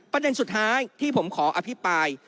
ประเด็นสุดท้ายที่ผมขออภิปราย